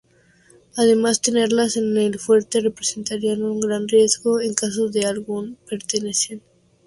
Además, tenerlas en el Fuerte representaría un gran riesgo en caso de algún percance.